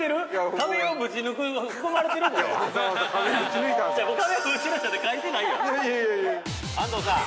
◆壁をぶち抜いたって書いてないやん。